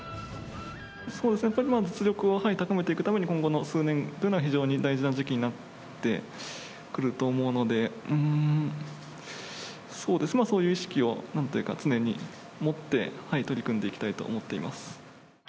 そうですね、やっぱり実力を高めて行くために、今後の数年というのは非常に大事な時期になってくると思うので、そういう意識を、なんというか、常に持って取り組んでいきたいと思っています。